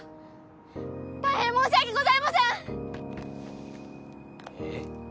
大変申し訳ございませんえっ？